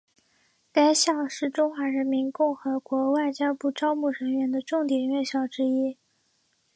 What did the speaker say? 该校是中华人民共和国外交部招募人员的重点院校之一。